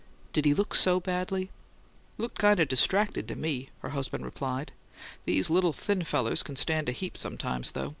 "Did he look so badly?" "Looked kind of distracted to me," her husband replied. "These little thin fellers can stand a heap sometimes, though.